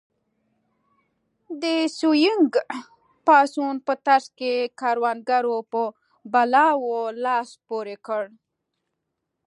د سوینګ پاڅون په ترڅ کې کروندګرو په بلوا لاس پورې کړ.